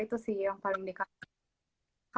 itu sih yang paling dikangenin